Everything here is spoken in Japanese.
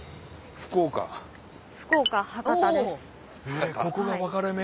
えここが分かれ目？